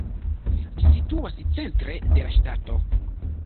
Ĝi situas centre de la ŝtato.